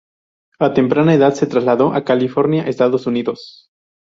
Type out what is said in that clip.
A temprana edad, se trasladó a California, Estados Unidos.